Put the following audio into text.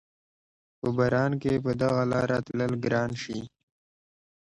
په باران کښې په دغه لاره تلل ګران شي